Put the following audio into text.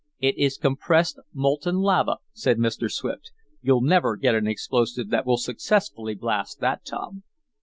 "It is compressed molten lava," said Mr. Swift. "You'll never get an explosive that will successfully blast that, Tom."